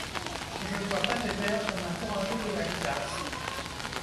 Je ne vois pas Weber comme un courageux de la godasse.